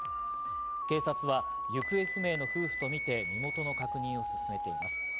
警察は行方不明の夫婦とみて身元の確認を進めています。